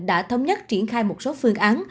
đã thống nhất triển khai một số phương án